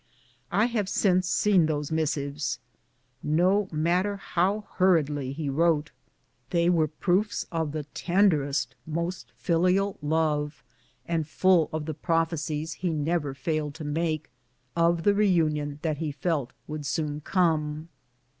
I have since seen those mis sives. No matter how hurriedly he wrote, they were proofs of the tenderest, most filial love, and full of the prophecies he never failed to make, of the reunion that he felt would soon come.